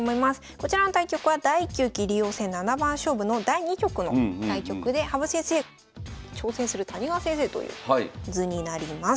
こちらの対局は第９期竜王戦七番勝負の第２局の対局で羽生先生挑戦する谷川先生という図になります。